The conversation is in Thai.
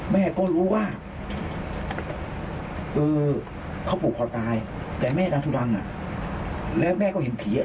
แม่เคยคิดตัวเองเหรอตอนนี้